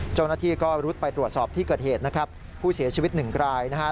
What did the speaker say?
เจ้าหน้าที่ก็รุดไปตรวจสอบที่เกิดเหตุนะครับผู้เสียชีวิตหนึ่งรายนะฮะ